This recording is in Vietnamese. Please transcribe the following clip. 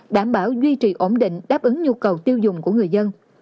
đảm bảo duy trì ổn định đáp ứng nhu cầu tiêu dùng của người dân